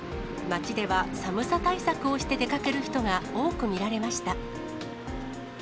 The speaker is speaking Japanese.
街では、寒さ対策をして出かける人が多く見られました。